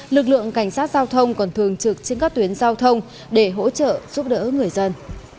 lực lượng cảnh sát giao thông còn thường trực trên các tuyến giao thông để hỗ trợ giúp đỡ người dân